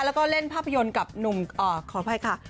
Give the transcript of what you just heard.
แล้วก็เล่นภาพยนตร์กับหนุ่มขออภัยค่ะ